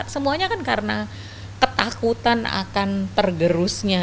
semuanya kan karena ketakutan akan tergerusnya